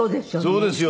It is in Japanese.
そうですよ。